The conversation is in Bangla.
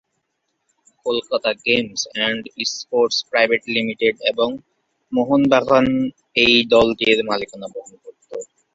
Kolkata games and sports private limited এবং মোহনবাগান এই দলটির মালিকানা বহন করত।